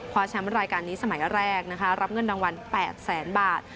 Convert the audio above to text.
ควาสแชมป์รายการนี้สมัยแรกรับเงินดังวัล๘แสนบาท